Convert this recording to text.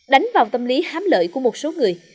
đánh vào tâm lý hám lợi của một số người